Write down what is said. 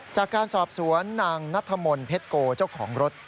จากการสอบสวนนางนัทธมนต์เพชรโกเจ้าของรถ